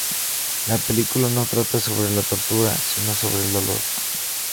La película no trata sobre la tortura, sino sobre el dolor.